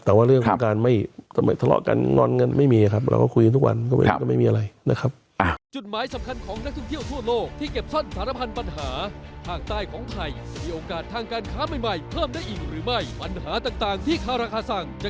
แต่ว่าเรื่องการทะเลาะการงอนไม่มีครับเราก็คุยทุกวันก็ไม่มีอะไรนะครับ